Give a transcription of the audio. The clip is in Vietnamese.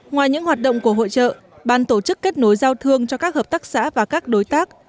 ngoài những hoạt động của hội trợ ban tổ chức kết nối giao thương cho các hợp tác xã và các đối tác